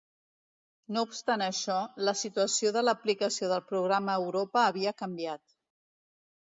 No obstant això, la situació de l'aplicació del programa Europa havia canviat.